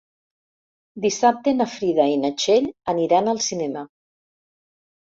Dissabte na Frida i na Txell aniran al cinema.